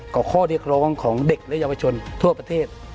ข้อเรียกร้องของเด็กและเยาวชนทั่วประเทศ